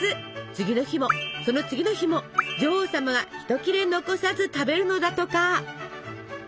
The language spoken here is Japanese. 次の日もその次の日も女王様が一切れ残さず食べるのだとか。